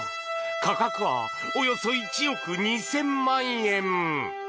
価格はおよそ１億２０００万円。